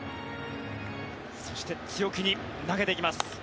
そして強気に投げていきます。